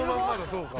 そうか。